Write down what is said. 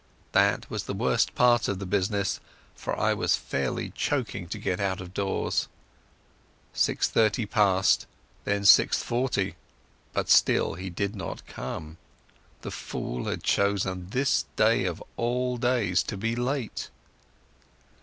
That was the worst part of the business, for I was fairly choking to get out of doors. Six thirty passed, then six forty, but still he did not come. The fool had chosen this day of all days to be late.